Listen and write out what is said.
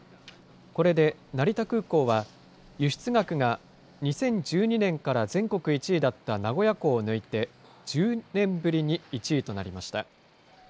これで成田空港は、輸出額が２０１２年から全国１位だった名古屋港を抜いて、１０年ぶりに１位となりました。